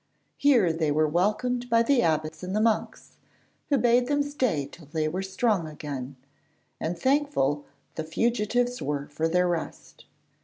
Here they were welcomed by the abbot and the monks, who bade them stay till they were strong again, and thankful the fugitives were for their rest.